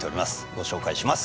ご紹介します